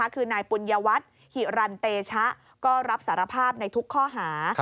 คือนายปุญญวัตรหิรันเตชะก็รับสารภาพในทุกข้อหา